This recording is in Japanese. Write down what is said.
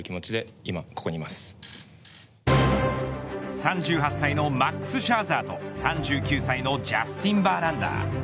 ３８歳のマックス・シャーザーと３９歳のジャスティン・バーランダー。